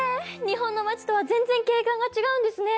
日本の街とは全然景観が違うんですね。